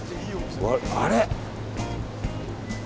あれ？